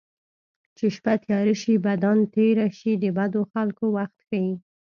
چې شپه تیاره شي بدان تېره شي د بدو خلکو وخت ښيي